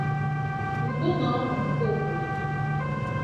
udo na ọṅụ nke obodo